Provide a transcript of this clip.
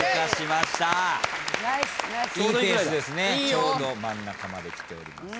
ちょうど真ん中まで来ております。